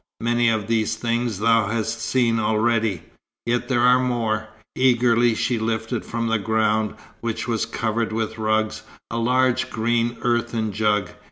Many of these things thou hast seen already. Yet there are more." Eagerly she lifted from the ground, which was covered with rugs, a large green earthern jar.